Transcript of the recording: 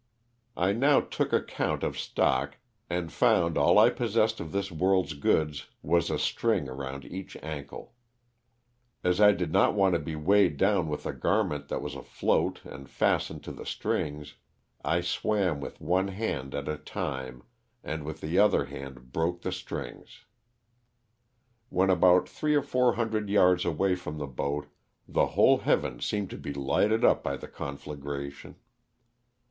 I now took account of stock and found all I possessed of this world^s goods was a string around each ankle. As I did not want to be weighed down with the garment that was afloat and fastened to the strings, I swam with one hand at a time and with the other hand broke the strings. When about three or four hundred yards away from the boat the whole heavens seemed to be lighted up by the con flagration.